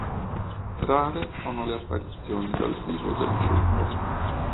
Rare sono le apparizioni dal vivo del gruppo.